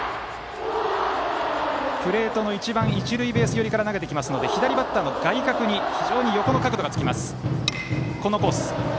プレートの一番一塁ベース寄りから投げてきますので左バッターの外角に非常に横の角度がつきます。